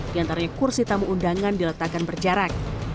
diantaranya kursi tamu undangan diletakkan berjarak